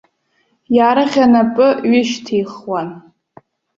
Иарӷьа напы ҩышьҭихуан.